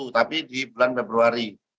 tapi di bulan februari